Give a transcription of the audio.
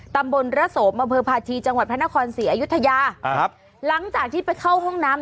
ตำบลระโสมอำเภอพาชีจังหวัดพระนครศรีอยุธยาครับหลังจากที่ไปเข้าห้องน้ำ